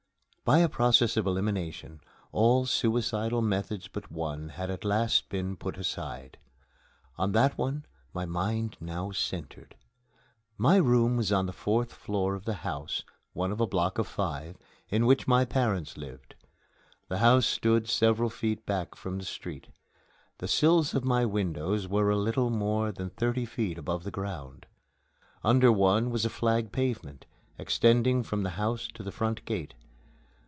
By a process of elimination, all suicidal methods but one had at last been put aside. On that one my mind now centred. My room was on the fourth floor of the house one of a block of five in which my parents lived. The house stood several feet back from the street. The sills of my windows were a little more than thirty feet above the ground. Under one was a flag pavement, extending from the house to the front gate.